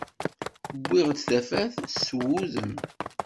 Wwiɣ-d tafat, s wudem.